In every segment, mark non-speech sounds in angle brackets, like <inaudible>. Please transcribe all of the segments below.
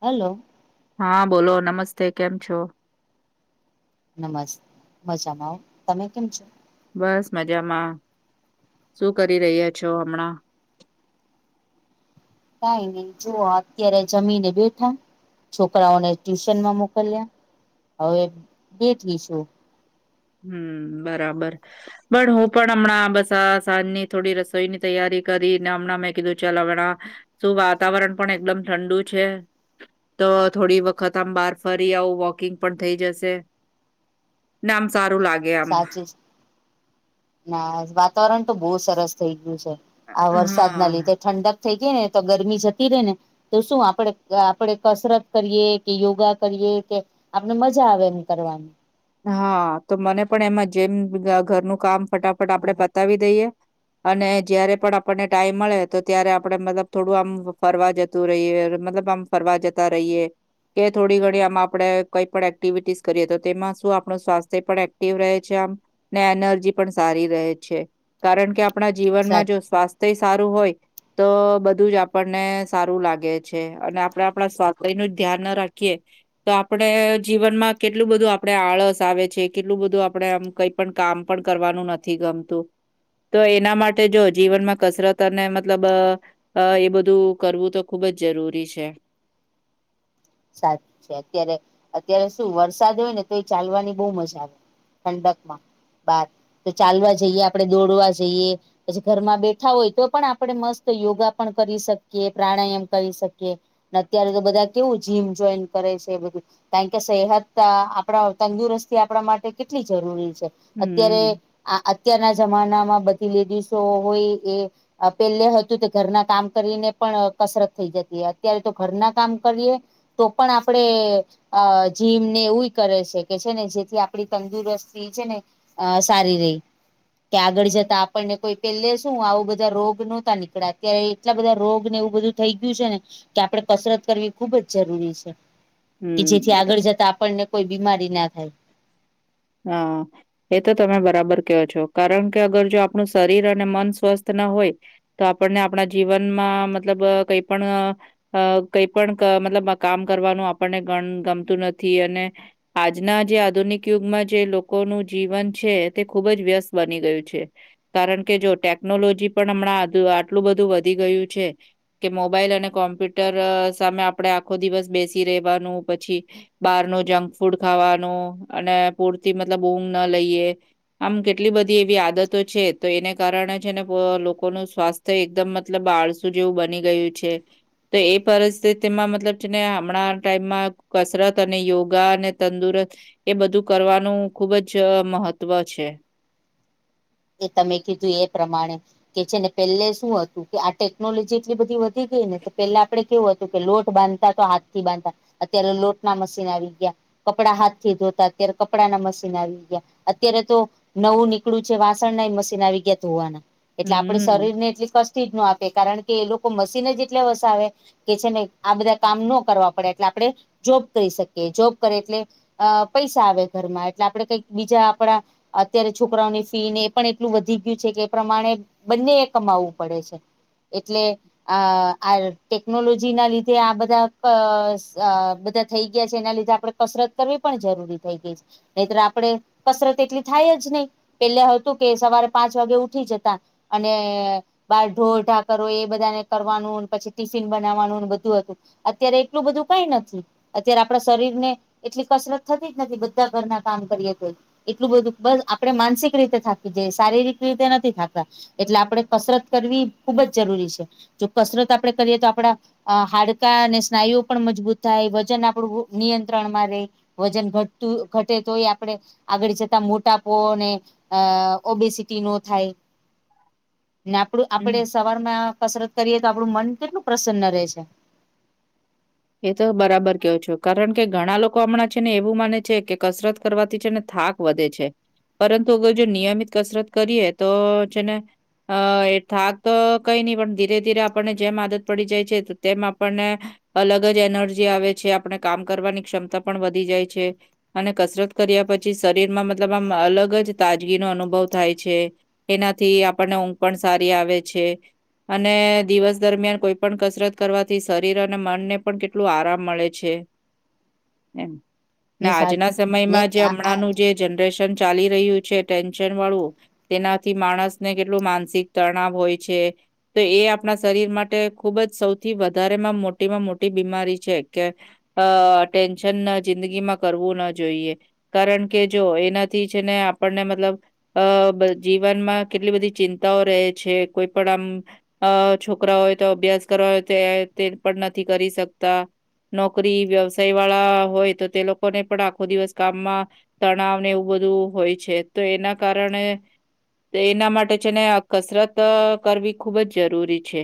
Hello. હા બોલો નમસ્તે કેમ છો? નમસ મજામા. તમે કેમ છો? બસ મજામાં શું કરી રહ્યા છો હમણાં? કાઈ નય જુઓ અત્યારે જમીને બેઠા છોકરાઓને ટ્યુશનમાં મોકલ્યા હવે બેઠી સુ હમ બરાબર. પણ હું પણ હમણાં બસ આ સાંજની થોડી રસોઈની તૈયારી કરીને હમણાં મેં કીધું ચલ હમણાં શું વાતાવરણ પણ એકદમ ઠંડુ છે. તો થોડી વખત આમ બહાર ફરી આવું વોકિંગ પણ થઈ જશે. ના આમ સારું લાગ. સાચી ના વાતાવરણ તો બહુ સરસ થઈ ગયું છે. આ વરસાદના હા લીધે ઠંડક થઈ ગઈ ને તો ગરમી જતી રહેે ને તો શું આપણે આપણેે કસરત કરીએ કે યોગા કરીએ કે આપણે મજા આવે એમ કરવાની. હા તો મને પણ એમાં જેમ ઘરનું કામ ફટાફટ આપણેે બતાવી દઈએ. અને જયારે પણ આપણને ટાઈમ મળે તો ત્યારે આપડે મતલબ થોડું આમ ફરવા જ રહીએ મતલબ આમ ફરવા જતા રહીએ. કે થોડી ઘણી આમાં આપણે કઈ પણ એક્ટિવિટીસ કરીએ તો તેમાં શું આપનુ સ્વાથ્ય પણ એક્ટિવ છે આમ ને એનર્જી પણ સારી રહે છે કારણ કે આપણા સાચી જીવનમાં જો સ્વાસ્થ્ય સારું હોય તો બધું જ આપણને સારું લાગે છે અને આપડ આપણા સ્વાસ્થ્યનું જ ધ્યાન ના રાખીએ તો આપડે જીવનમાં કેટલું બધું આપણે આળસ આવે છે કેટલું બધું આપડે આમ કઈ પણ કામ પણ કરવાનું નથી ગમતું તો એના માટે જો જીવનમાં કસરત અને મતલબ અ એ બધું કરવું તો ખુબ જ જરૂરી છે. સાચ છે અત્યારે અત્યારે શું વરસાદ હોય ને તો એ ચાલવાની બહુ મજા આવે ઠંડકમાં બાર તો ચાલવા જઈએ આપણે દોડવા જઈએ પછી ઘરમાં બેઠા હોય તો પણ આપણે મસ્ત યોગા પણ કરી શકીએ પ્રાણાયામ કરી શકીએ. ને અત્યારે તો બધા કેવું જીમ જોઈન કરે છે બધું કારણ કે સેહત આપણા તંદુરસ્તી આપણા માટે કેટલી જરૂરી છે. અત્યારે હમ, આ અત્યારના જમાનામાં બધી લેડીસો હોય એ પેલે હતું તો ઘરના કામ કરીને પણ કસરત થઈ જતી અત્યારે તો ઘરના કામ કરીએે તો પણ આપડે અ જીમ ને એવું કરે છે કે છે ને જેથી આપડી તંદુરસ્તી છે ને અ સારી રહી કે આગળ જતા આપણને કોઈ પેલે શું આવું બધા રોગ નહોતા નીકળ્યા ત્યારે એટલા બધા રોગ ને એવું બધું થઈ ગયું છે ને કે આપડે કસરત કરવી ખુબ જ જરૂરી છે કે હમ. જેથી એ તો આગળ જતા આપણને કોઈ બીમારી ના થાય. હા. એ તો તમે બરાબર ક્યો છો કારણ કે અગર જો આપણું શરીર અને મન સ્વસ્થ ના હોય તો આપણને આપણા જીવનમાં મતલબ કઈ પણ અ કઈ પણ મતલબ કામ કરવાનું આપણને ગ ગમતું નથી અને આજના જે આધુનિક યુગમાં જે લોકોનું જીવન છે તે ખુબ જ વ્યસ્ત બની ગયું છે. કારણ કે જો ટેકનોલોજી પણ હમણાં આટલું બધું વધી ગયું છે. કે મોબાઈલ અને કોમ્પ્યુટર સામે આપડે આખો દિવસ બેસી રહેેવાનું પછી બારનું જંક ફૂડ ખાવાનું અને પૂરતી મતલબ ઊંઘ ના લઈએ આમ કેટલી બધી એવી આદતો છે તો એને કારણે છે ને લોકોનું સ્વાસ્થ્ય તો એકદમ મતલબ આળસું જેવું બની ગયું છે તો એ પરિસ્થિતિમાં મતલબ છે ને હમણાં ટાઈમમાં કસરત અને યોગા અને તંદુરસ્ત એ બધું કરવાનું ખુબ જ મહત્વ છે એ તમે કીધું એ પ્રમાણે કે છે ને પેલે શું હતું કે આ ટેકનોલોજી એટલી બધી વધી ગઈ ને તો પેલા આપડે કેવું હ લોટ બાંધતા તો હાથ થી બાંધતા અત્યારે લોટ ના મશીન આવી ગયા કપડા હાથ થી ધોતા અત્યારે કપડાના મશીન આવી ગયા અત્યારે તો નવું નીકળું છે વા મશીન આવી ગયા હોવાના એટલે આપડે હમ્મ. શરીર ને એટ કસ થી જ ન આપે કારણ કે એ લોકો મશીને જેટલે વસાવે કે છે ને આ બધા કામ ન કરવા પડે એટલે આપડે જોબ કરી શકીએ જોબ કરે એટલે અ પૈસા આવે ઘરમાં એટલે આપડે કઈક બીજા આપડા અત્યારે છોકરાઓની ફી ને પણ એટલું વધી ગયું છે કે એ પ્રમાણે બંને એ કમાવવું પડે છે એટલે અ આ ટેકનોલોજી ના લીધે આ બધા બધા થઈ ગયા છે એના લીધે આપડે કસરત પણ જરૂરી થઈ ગઈ છે નહી આપડે કસરત એટલી થાય જ નહી પેલા તું કે સવારે પાંચ વાગે ઉઠી જતા અને બાર ઢોરઢા કરો એ બધાને કરવાનું પછી ટિફિન બનાવવાનું બધું હતું અત્યારે એટલું બધું કઈ નથી અત્યારે આપડા શરીર ને એટલી કસરત થતી જ નથી બધા ઘરના કામ કરીએ તો એટલું બધું બસ આપડે માનસિક રીતે થા કે જે શારીરિક રીતે નથી થાતા એટલે આપડે કસરત કરવી ખુબ જ જરૂરી છે જો કસરત આપડે કરીએ તો આપડા અ હાડકા અને સ્નાયુઓ પણ મજબૂત થાય વજન આપદુ નિયંત્રણ માં રેય વજન ઘટતું ઘટે તો એ આપડે આગળ જતા મોટાપો ને અ ઓબીસિટી ન થાય ને આપડું હમ્મ. આપડે સવાર માં કસરત કરીએ તો આપડું મન કેટલું પ્રસન્ન રહે છે એ તો બરાબર કેવો છો કારણ કે ઘણા લોકો હમણાં છે ને એવું માને છે કે કસરત કરવાથી છે ને થાક વધે છે પરંતુ અગર જો નિયમિત કસરત કરીએ તો છેને અ એ થાક તો કઈ નહી પણ ધીરે ધીરે આપણને જેમ આદત પડી જાય છે તેમ આપણને. અલગ જ એનર્જી આવે છે આપણે કામ કરવાની ક્ષમતા પણ વધી જાય છે. અને કસરત કર્યા પછી શરીરમાં મતલબ આમ અલગ જ તાજગીનો અનુભવ થાય છે. એનાથી આપણને ઊંઘ પણ સારી આવે છે. અને દિવસ દરમિયાન કોઈ પણ કસરત કરવાથી શરીર અને મ ને પણ કેટલું આરામ મળે છે એમ. ને આજના ને સમયમાં જે આ હમણાંનું જે જનરેશન ચાલી રહ્યું છે ટેન્શન વાળું તેનાથી માણસને કેટલું માનસિક તણાવ હોય છે. તો એ આપણા શરીર માટે ખુબ જ સૌથી વધારે માં મો મોટીમાં મોટી બીમારી છે કે ટેન્શન જિંદગીમાં કરવું ના જોઈએ. કારણ કે જો એનાથી છે ને આપણને મતલબ અ જીવનમાં કેટલી બધી ચિંતાઓ રહે છે કોઈ પણ આમ અ છોકરા હોય તો અભ્યાસ કરવા હોય તો તે પણ નથી કરી શકતા. નોકરી વ્યવસાય વાળા હોય તો તે લોકોને પણ આખો દિવસ કામમાં તણાવ ને એવું બધું હોય છે તો એના કારણે. તો એના માટે છે ને કસરત કરવી ખુબ જ જરૂરી છે.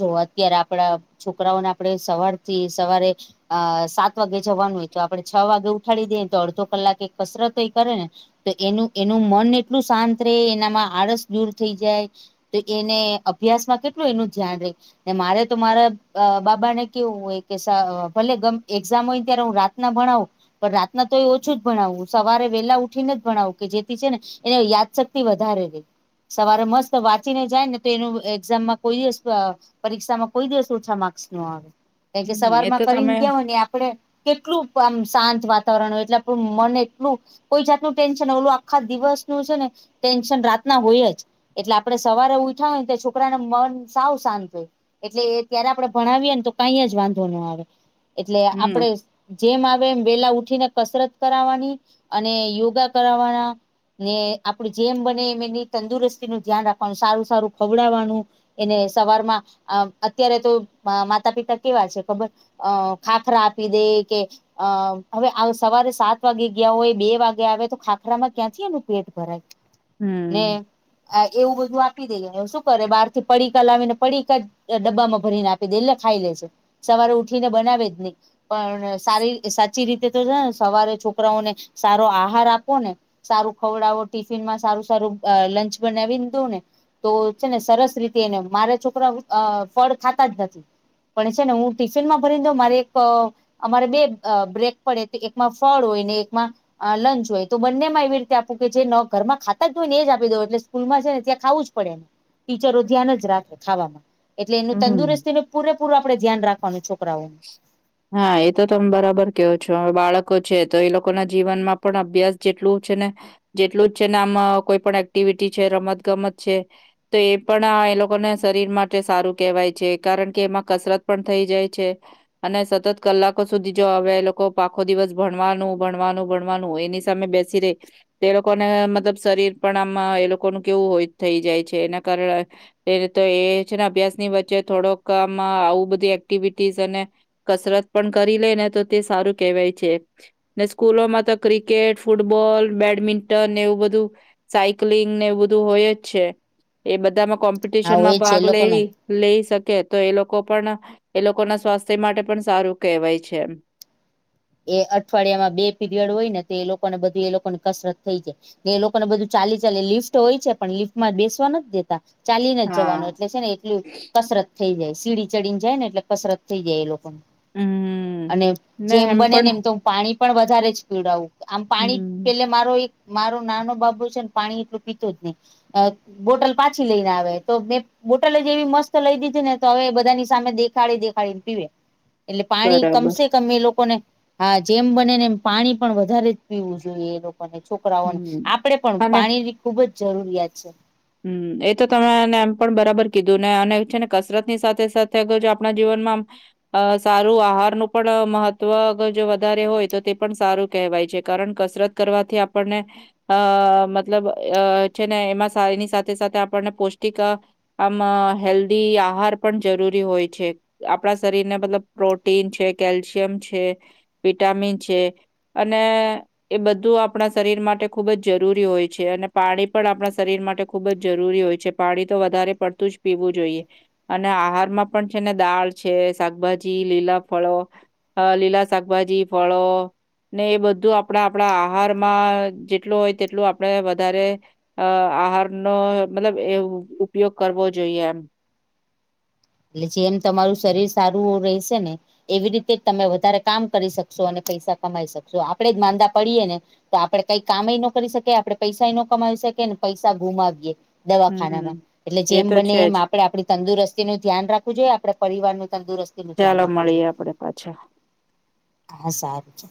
જો અત્યારે આપડા છોકરાઓને આપડે સવારથી સવારે. અ સાત વાગે જવાનું હોય તો આપડે છ વાગે ઉઠાડી દઈએ તો અડધો કલાક કસરતો એ કરે ને તો એનું એનું મન એટલું શાંત રહે એનામાં આળસ દૂર થઈ જાય. તો એને અભ્યાસ માં કેટલું એનું ધ્યાન રે ને મારે તો મારા બાબા ને કેવું હોય કે ભલે એક્ઝામ હોય ને ત્યારે હું રાત ના ભણાવું. પણ રાતના તો એ ઓછું જ ભણાવું સવારે વેલા ઉઠીને જ ભણાવું કે જેથી છે ને એને યાદશક્તિ વધારે રે સવારે મસ્ત વાંચી ને જાય ને તો એનું એક્ઝામમાં કોઈઅ જ અ પરીક્ષામાં કોઈ દિવસ ઓછા માર્ક્સ ન આવે કારણ કે હમ, સવાર એ માં તો ફરીને તમે ગયા હોય ને તો આપડે કેટલું આમ શાંત વાતાવરણ હોય એટલે આપણું મન એટલું કોઈ જાતનું ટેન્શન ઓલું આખા દિવસનું છે ને ટેન્શન રાતના હોય જ એટલે આપડે સવારે ઉઠા હોય ને તો છોકરાને મન સાવ શાંત હોય એટલે એ ત્યારે આપડણે ભણાવીએ ને તો કઈ જ વાંધો ના આવે. એટલે હમ, આપડે જેમ આવે એમ વેલા ઉઠીને કસરત કરાવવાની અને યોગા કરાવવાના ને આપડે જેમ બને એમ એની તંદુરસ્તી નું ધ્યાન રાખવાનું સારું સારું ખવડાવવાનું એને સવારમાં અત્યારે તો માતા પિતા કેવા છે ખબર અ ખાખરા આપી દે કે અ હવે સવારે સાત વાગે ગયા હોય બે વાગે આવે તો ખાખરામાં ક્યાંથી એનું પેટ ભરાય. <inaudible> ને એવું બધું આપી દે શું કરે બાર થી પડીકા લાવીને પડીકા ડબ્બા માં ભરીને આપી દે એટલે ખાઈ લે જે સવારે ઉઠીને બનાવે જ ની પણ સારી સાચી રીતે છે ને સવારે છોકરાઓને સારો આહાર આપો ને સારું ખવડાવો ટિફિન માં સારું સારું અ લંચ બનાવીને દઉ ને તો છે ને સરસ રીતે હેને મારા છોકરા ફળ ખાતા જ નથી. પણ છે ને હું ટિફિન માં ભરી દઉ મારી એક અ અમારે બે અ બ્રેક પડે તો એકમાં ફળ હોય ને એકમાં હ લંચ હોય તો બંને માં એવી રીતે આપું કે જે ઘરમાં ન ખાતા જ હોય ને એ જ આપીઉ એટલે સ્કૂલમાં છે નેયાં ખાવું જ પડે. ચરો ધ્યાન જ રાખે ખાવામાં એટલે એનું હમ. તંદુરસ્તીને પૂરેપૂરું આપડે ધ્યાન રાખવાનું છોકરાઓનું. <inaudible> હા એ તો તમે બરાબર કહો છો હવે બાળકો છે તો એ લોકો ના જીવનમાં પણ અભ્યાસ જેટલું છે ને જેટલું જ છેને આમ કોઈ પણ એક્ટિવિટી છે રમત ગમત છે. તો એ પણ આ એ લોકોને શરીર માટે સારું કેહેવાય છે કારણ કે એમાં કસરત પણ થઇ જાય છે. અને સતત કલાકો સુધી જો આવે એ લોકો આખો દિવસ ભણવાનું ભણવાનું ભણવાનું એની સામે બેસ સી રે તે એ લોકોને મતલબ શરીર પણ આમાં એ લોકોનું કેવું હોય થઈ જાય છે એના કારણે એ તો એ છે ને અભ્યાસ ની વચ્ચે થોડોક આમ આવું બધી એક્ટિવિટી સ અને કસરત પણ કરી લે ને તો તે સારું કેહેવાય છે ને સ્કૂલોમાં તો ક્રિકેટ ફૂટબોલ બેડમિન્ટન એવું બધું સાયક્લિંગ ને એવું બધું હોય જ છે એ બધામાં હા કોમ્પિટિશન એ માં છે એ ભાગ લઈ લોકોનું લઈ શકે તો એ લોકો પણ એ લોકો ના સ્વાસ્થ્ય માટે પણ સારું કહેવાય છે. એ અઠવાડિયામાં બે પીરિયડ હોય ને તો એ લોકોને બધું એ લોકો ની કસરત થઈ જાય એ લોકોને બધું ચાલી ચાલી લિફ્ટ હોય છે પણ લિફ્ટમાં બેસવા નથી દેતા. ચાલીને જ હા જવાનું એટલે છે ને એટલું કસરત થઈ જાય સીડી ચડીને જાય ને એટલે કસરત થઈ જાય એ લોકોને હમ અને ને જેમ એમ બને પણ ને એમ તો હું પાણી પણ વધારે જ પીવડાવું આમ પાણી હમ પેલે મારો એક મારો નાનો બાબુ છે ને પાણી એટલું પીતો જ નહી અ બોટલ પાછી લઈને આવે તો મે બોટલે જ એવી મસ્ત લઈ દીધી ને તો હવે એ બધાની સામે દેખાડી દેખાડીને પીવે એટલે પાણી બરાબર કમસે કમ એ લોકો ને હા જેમ બને ને એમ પાણી પણ વધારે જ પીવું જોઈએ એ લોકો ને છોકરાઓને હમ આપડે પણ અને પાણીની ખુબ જ જરૂરિયાત છે. હમ એ તો તમેને એમ પણ બરાબર કીધું ને અને છે ને કસરત ની સાથે સાથે અગર જો આપણા જીવનમાં આમ અ સારું આહારનું પણ મહત્વ જો વધારે હોય તો તે પણ સારું કહેવાય છે કારણ કસરત કરવાથી આપણને અ મતલબ છે ને એમાંશ. એની સાથે સાથે આપણને પૌષ્ટિક આ આમાં હેલ્ધી આહાર પણ જરૂરી હોય છે. આપણા શરીરને મતલબ પ્રોટીન છે કેલ્શિયમ છે વિટામિન છે. અને એ બધું આપણા શરીર માટે ખુબ જ જરૂરી હોય છે અને પાણી પણ આપણા શરીર માટે ખુબ જ જરૂરી હોય છે પાણી તો વધારે પડતું જ પીવું જોઈએ. અને આહારમાં પણ છે ને દાળ છે શાકભાજી લીલા ફળો. હ લીલા શાકભાજી ફળો ને એ બધું આપણા આપણા આહારમાં જેટલું હોય તેટલું આપણેે વધારે. અ આહારનો મતલબ એ ઉપયોગ કરવો જોઈએ એમ એટલે જેમ તમારું શરીર સારું રહેશે ને. એવી રીતે જ તમે વધારે કામ કરી શકશો અને પૈસા કમાઈ શકશો આપણેે જ માંદા પડીએ ને. તો આપડણે કઈક કામ ન કરી શકી આપડણે પૈસા ન કમાવી શકીએ ને પૈસા ગુમાવીએ દવાખાનામાં હમ્મ. એટલે એ જેમ તો બને છે એમ જ. આપડે આપણી તંદુરસ્તી નુ ન રાખવું જોઈએ આપડણે પરિવાર ન તંદુરસ્તી નું ધ્યાન ચાલો રાખવું મળીએ જોઈએ. આપડે પાછા. હા સારું છે.